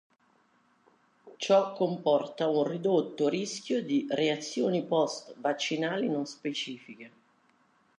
Ciò comporta un ridotto rischio di reazioni post-vaccinali non specifiche.